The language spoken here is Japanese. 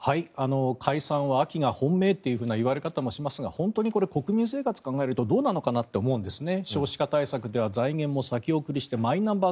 解散は秋が本命というふうな言われ方もしますが本当にこれ国民生活を考えるとどうなのかと思いますね。